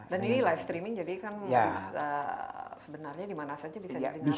dan ini live streaming jadi kan sebenarnya dimana saja bisa didengar